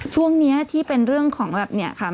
ช่วงนี้ที่เป็นเรื่องของแบบเนี่ยค่ะ